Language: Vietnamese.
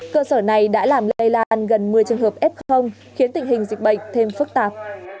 cơ sở này đã làm lây lan gần một mươi trường hợp f khiến tình hình dịch bệnh thêm phức tạp